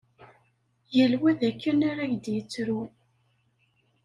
Yal wa d akken ar ak-d-yettru!